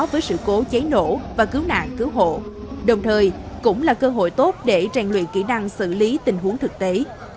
với sự cố cháy nổ và cứu nạn cứu hộ đồng thời cũng là cơ hội tốt để trang luyện kỹ năng xử lý tình huống thực tế